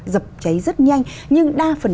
dập cháy rất nhanh nhưng đa phần